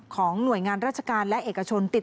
ของหน่วยงานราชการและชกัล